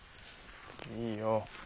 いいよ。